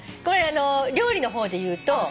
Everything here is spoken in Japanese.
これ料理の方でいうと。